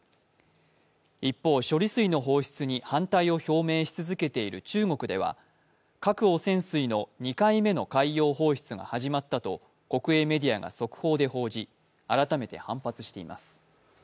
一方、処理水の放出に反対を表明し続けている中国では、核汚染水の２回目の海洋放出が始まったと、国営メディアが速報で報じ改めて反発しています。